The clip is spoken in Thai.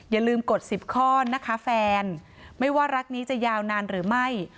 อย่าลืมกด๑๐ข้อนะคะแฟนไม่ว่ารักนี้จะยาวนานหรือไม่